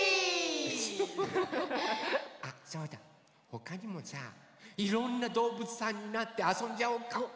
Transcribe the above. ほかにもさいろんなどうぶつさんになってあそんじゃおうか？